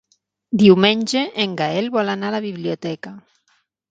Diumenge en Gaël vol anar a la biblioteca.